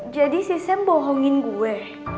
jadi si sam bohongin gue